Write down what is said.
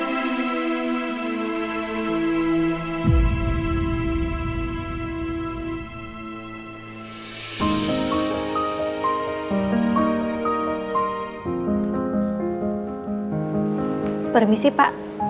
ya tapi kamu atau jeboknya